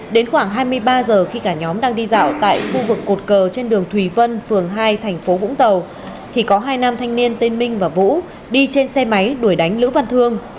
đến khoảng hai mươi ba giờ khi cả nhóm đang đi dạo tại khu vực cột cờ trên đường thùy vân phường hai thành phố vũng tàu thì có hai nam thanh niên tên minh và vũ đi trên xe máy đuổi đánh lữ văn thương